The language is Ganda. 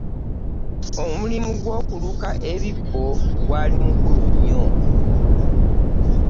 Omulimu gwokuluka ebibbo gwali mukulu nnyo.